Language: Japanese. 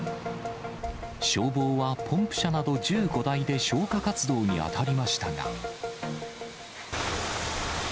消防はポンプ車など１５台で消火活動に当たりましたが。